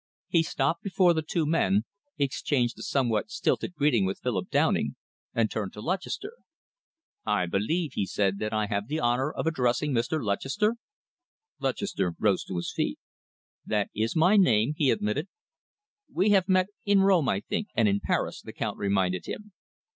He stopped before the two men, exchanged a somewhat stilted greeting with Philip Downing, and turned to Lutchester. "I believe," he said, "that I have the honour of addressing Mr. Lutchester?" Lutchester rose to his feet. "That is my name," he admitted. "We have met in Rome, I think, and in Paris," the Count reminded him.